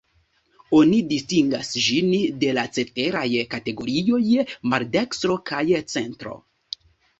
Oni distingas ĝin de la ceteraj kategorioj: maldekstro kaj centro.